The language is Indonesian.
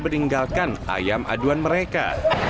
meninggalkan ayam aduan mereka